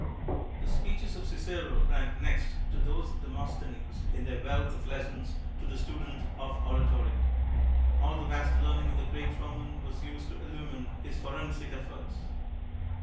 The speeches of Cicero rank next to those of Demosthenes in their wealth of lessons to the student of oratory. All the vast learning of the great Roman was used to illumine his foren sic efforts.